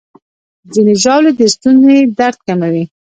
ځینې ژاولې د ستوني درد کموي.